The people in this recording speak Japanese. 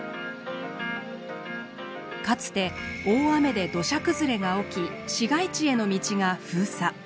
かつて大雨で土砂崩れが起き市街地への道が封鎖。